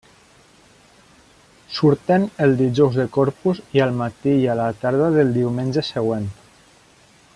Surten el dijous de Corpus i al matí i a la tarda del diumenge següent.